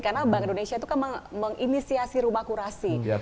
karena bank indonesia itu kan menginisiasi rumah kurasi